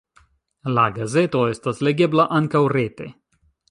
La gazeto estas legebla ankaŭ rete.